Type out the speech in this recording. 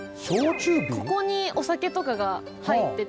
ここにおさけとかがはいってて。